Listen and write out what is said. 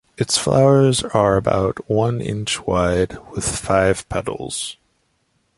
Its flowers are about one inch wide with five petals.